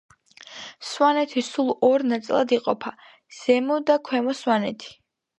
სვანეთი სულ ორ ნაწილად იყოფა ზემო სა ქვემო სვანეთი